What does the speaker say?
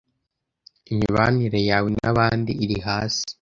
Imibanire yawe nabandi iri hasi